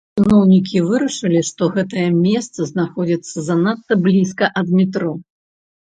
Чыноўнікі вырашылі, што гэтае месца знаходзіцца занадта блізка ад метро.